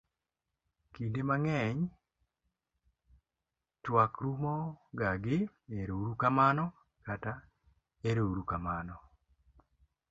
kinde mang'eny twak rumo ga gi erourukamano kata erourukamano